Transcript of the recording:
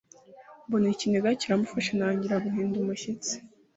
mbona ikiniga kiramufasha ntangira guhinda umushyitsi